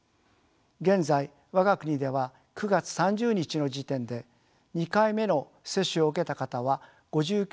現在我が国では９月３０日の時点で２回目の接種を受けた方は５９．８％。